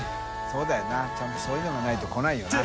修Δ世茲ちゃんとそういうのがないと来ないよな。